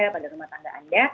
pada rumah tangga anda